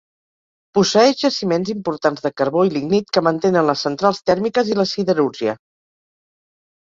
Posseeix jaciments importants de carbó i lignit que mantenen les centrals tèrmiques i la siderúrgia.